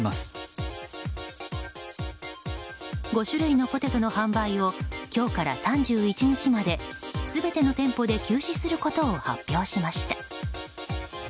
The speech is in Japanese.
５種類のポテトの販売を今日から３１日まで全ての店舗で休止することを発表しました。